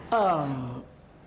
tapi tapi ada sarannya